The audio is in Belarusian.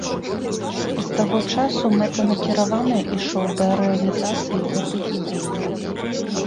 І з таго часу мэтанакіравана ішоў да рэалізацыі гэтай ідэі.